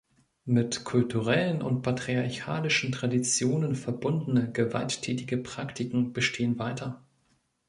Mit kulturellen und patriarchalischen Traditionen verbundene gewalttätige Praktiken bestehen weiter.